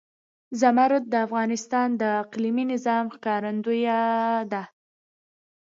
زمرد د افغانستان د اقلیمي نظام ښکارندوی ده.